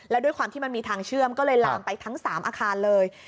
แล้วด้วยความที่มันมีทางเชื่อมก็เลยลามไปทั้ง๓อาคารเลย